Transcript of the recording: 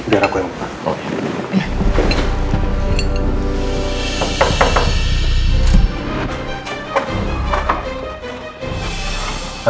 biar aku yang buka